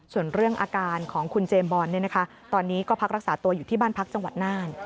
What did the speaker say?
ส่วนเรื่องอาการของคุณเจมส์บอลตอนนี้ก็พักรักษาตัวอยู่ที่บ้านพักจังหวัดน่าน